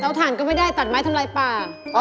ตาวธาก็ไม่ได้ตัดไม้ทำร้ายปลา